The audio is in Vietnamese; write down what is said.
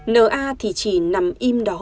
n a thì chỉ nằm im đó